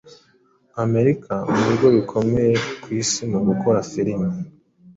nka Amerika mu bigo bikomeye ku isi mu gukora filimi